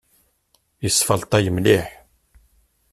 Isfalṭay mliḥ.